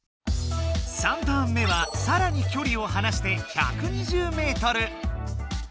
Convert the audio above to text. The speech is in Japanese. ３ターン目はさらにきょりをはなして１２０ｍ。